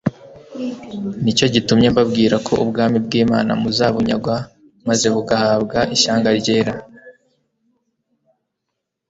Nicyo gitumye mbabwira ko ubwami bw’Imana muzabunyagwa maze bugahabwa ishyanga ryera